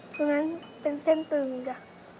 ตรงนั้นเป็นเส้นตึงจ้ะ